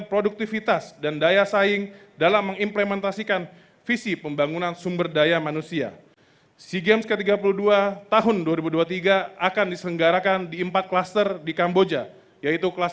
raya kebangsaan indonesia raya